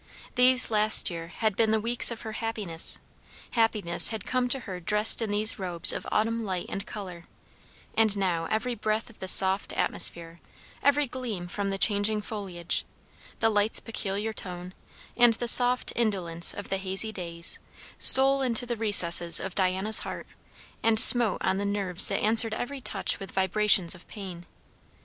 These, last year, had been the weeks of her happiness; happiness had come to her dressed in these robes of autumn light and colour; and now every breath of the soft atmosphere, every gleam from the changing foliage, the light's peculiar tone, and the soft indolence of the hazy days, stole into the recesses of Diana's heart, and smote on the nerves that answered every touch with vibrations of pain.